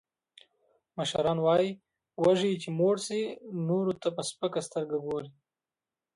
مشران وایي، وږی چې موړ شي، نورو ته په سپکه سترگه گوري.